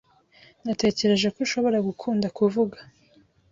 Natekereje ko ushobora gukunda kuvuga.